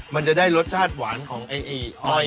มันจะได้รสชาติหวานของไอ้อ้อย